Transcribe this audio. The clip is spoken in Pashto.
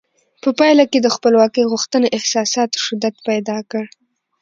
په پایله کې د خپلواکۍ غوښتنې احساساتو شدت پیدا کړ.